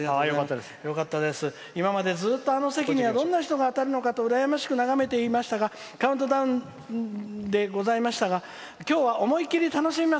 「今までずっとあの席にはどんな人が当たるのかと眺めていましたがカウントダウンでございましたが今日は思い切り楽しみます」。